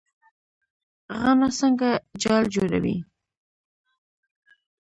غڼه څنګه جال جوړوي؟